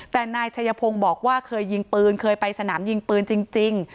แต่นายชัยพงศ์บอกว่าเคยยิงปืนเคยไปสนามยิงปืนจริง